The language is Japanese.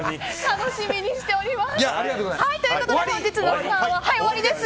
楽しみにしております。